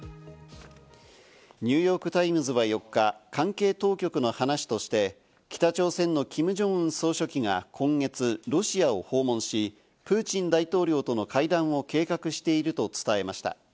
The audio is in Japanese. ニューヨーク・タイムズは４日、関係当局の話として北朝鮮のキム・ジョンウン総書記が今月、ロシアを訪問し、プーチン大統領との会談を計画していると伝えました。